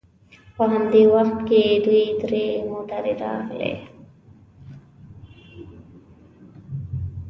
په همدې وخت کې دوې درې موټرې راغلې.